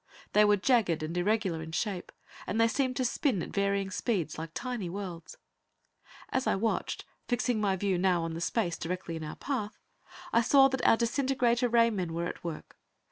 They were jagged and irregular in shape, and they seemed to spin at varying speeds, like tiny worlds. As I watched, fixing my view now on the space directly in our path, I saw that our disintegrator ray men were at work.